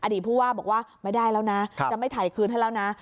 ผู้ว่าบอกว่าไม่ได้แล้วนะจะไม่ถ่ายคืนให้แล้วนะ